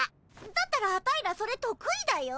だったらアタイらそれとく意だよ。